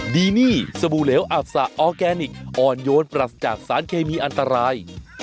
ดีนี่สบู่เหลวอับสะออร์แกนิคอ่อนโยนปรัสจากสารเคมีอันตราย